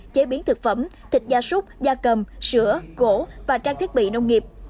chế biến thực phẩm thịt gia súc gia cầm sữa gỗ và trang thiết bị nông nghiệp